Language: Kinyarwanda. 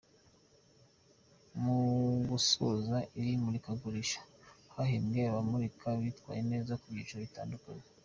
Mu gusoza iri murikagurisha hahembwe abamurika bitwaye neza mu byiciro bitandukanye.